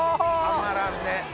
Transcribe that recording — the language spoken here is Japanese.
たまらんね。